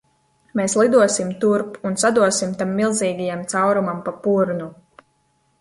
Mēs lidosim turp un sadosim tam milzīgajam caurumam pa purnu!